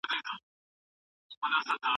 زه به سبا د سبا لپاره د کور کارونه وکړم.